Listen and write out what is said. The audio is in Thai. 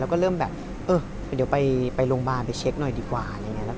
แล้วก็เริ่มแบบเออเดี๋ยวไปโรงบาลไปเช็คหน่อยดีกว่า